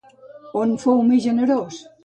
On fou més generós?